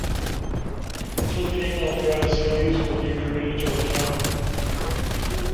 Enter the email address you used when you created your account.